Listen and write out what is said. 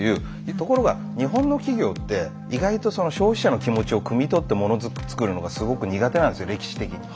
ところが日本の企業って意外とその消費者の気持ちをくみ取ってもの作るのがすごく苦手なんですよ歴史的に。はいはい。